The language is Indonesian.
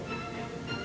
nyari elsa juga pa